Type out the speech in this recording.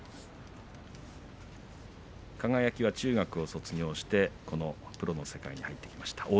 輝は中学を卒業してこのプロの世界に入ってきました。